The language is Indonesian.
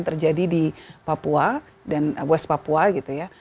terjadi di papua dan west papua gitu ya